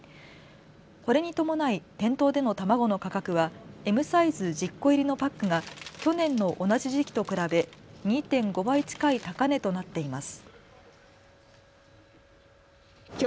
これに伴い店頭での卵の価格はＭサイズ１０個入りのパックが去年の同じ時期と比べ２．５倍近い高値となっています。